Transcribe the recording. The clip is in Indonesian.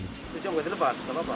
itu coba dilepas gak apa apa